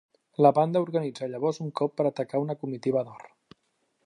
La banda organitza llavors un cop per atacar una comitiva d'or.